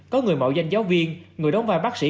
có người mạo danh giáo viên người đóng vai bác sĩ